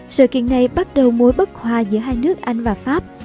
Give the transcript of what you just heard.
sự kiện này bắt đầu mối bất hòa giữa hai nước anh và pháp